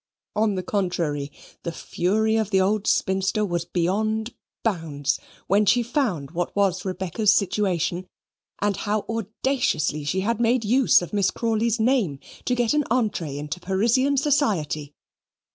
On the contrary, the fury of the old spinster was beyond bounds, when she found what was Rebecca's situation, and how audaciously she had made use of Miss Crawley's name, to get an entree into Parisian society.